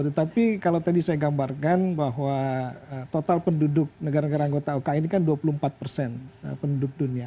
tetapi kalau tadi saya gambarkan bahwa total penduduk negara negara anggota oki ini kan dua puluh empat persen penduduk dunia